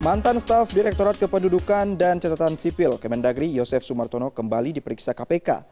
mantan staf direktorat kependudukan dan catatan sipil kemendagri yosef sumartono kembali diperiksa kpk